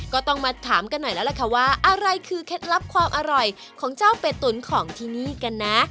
ก็ต้องมาถามกันหน่อยแล้วล่ะค่ะว่าอะไรคือเคล็ดลับความอร่อยของเจ้าเป็ดตุ๋นของที่นี่กันนะ